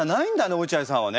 落合さんはね。